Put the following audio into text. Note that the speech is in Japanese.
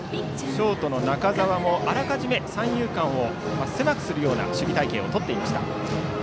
ショートの中澤もあらかじめ三遊間を狭くするような守備隊形をとっていました。